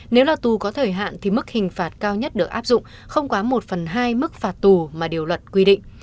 nếu là tù có thời hạn thì mức hình phạt cao nhất được áp dụng không quá một phần hai mức phạt tù mà điều luật quy định